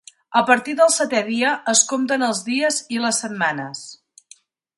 A partir del setè dia, es compten els dies i les setmanes.